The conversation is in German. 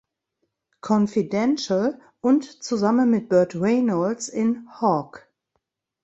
Confidential" und zusammen mit Burt Reynolds in "Hawk".